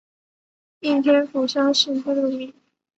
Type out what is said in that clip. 应天府乡试第六名。